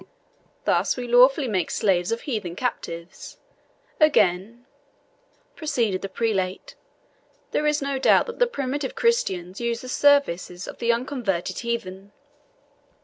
Thus we lawfully make slaves of heathen captives. Again," proceeded the prelate, "there is no doubt that the primitive Christians used the services of the unconverted heathen.